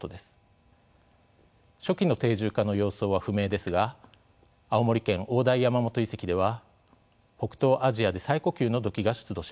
初期の定住化の様相は不明ですが青森県大平山元遺跡では北東アジアで最古級の土器が出土しました。